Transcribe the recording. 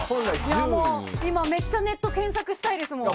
今、めっちゃネット検索したいですもん。